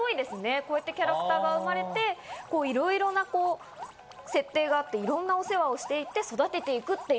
こういったキャラクターが生まれて、いろんな設定があって、いろんなお世話をしていって育てていく。